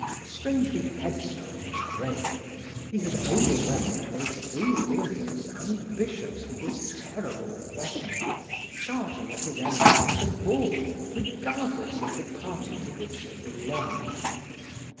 Strangely headstrong and brave, he had overwhelmed both free thinkers and bishops with this terrible weapon, charging at his enemies like a bull, regardless of the party to which they belonged.